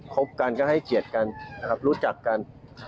บกันก็ให้เกียรติกันนะครับรู้จักกัน